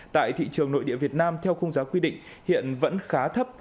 tại thị trường nội địa việt nam theo khung giá quy định hiện vẫn khá thấp